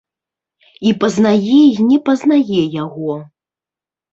І пазнае і не пазнае яго.